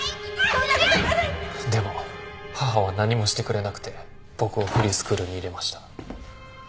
そんなこと言わないででも母は何もしてくれなくて僕をフリースクールに入れました。